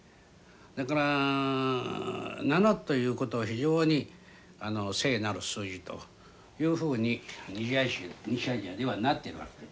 だから７ということを非常に聖なる数字というふうに西アジアではなってるわけ。